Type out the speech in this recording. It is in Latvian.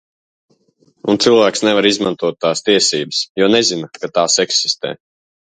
Un cilvēks nevar izmantot tās tiesības, jo nezina, ka tās eksistē.